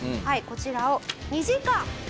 こちらを２時間。